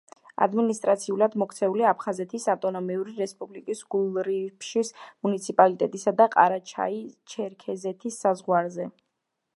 ადმინისტრაციულად მოქცეულია აფხაზეთის ავტონომიური რესპუბლიკის გულრიფშის მუნიციპალიტეტისა და ყარაჩაი-ჩერქეზეთის საზღვარზე.